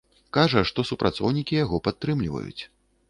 Кажа, што супрацоўнікі яго падтрымліваюць.